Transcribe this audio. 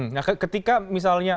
nah ketika misalnya